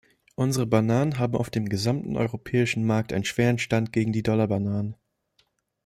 Unsere Bananen haben auf dem gesamten europäischen Markt einen schweren Stand gegen die Dollarbananen.